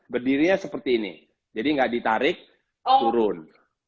berdirinya seperti ini jadi nggak ditarik turun